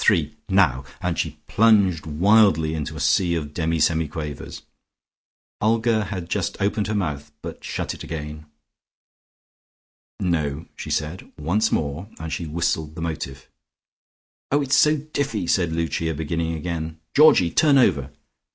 "Three. Now," and she plunged wildly into a sea of demi semi quavers. Olga had just opened her mouth, but shut it again. "No," she said. "Once more," and she whistled the motif. "Oh! it's so diffy!" said Lucia beginning again. "Georgie! Turn over!"